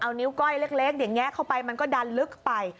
เอานิ้วก้อยเล็กแงะเข้าไปมันก็ดันลึกไป